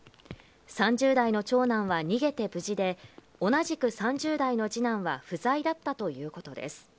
３０代の長男は逃げて無事で、同じく３０代の次男は不在だったということです。